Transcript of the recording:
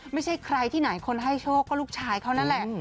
ไม่ใช่ใครที่ไหนคนให้โชคก็ลูกชายเขานั่นแหละ